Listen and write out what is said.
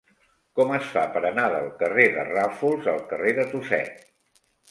Com es fa per anar del carrer de Ràfols al carrer de Tuset?